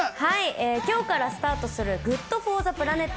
今日からスタートするＧｏｏｄＦｏｒｔｈｅＰｌａｎｅｔ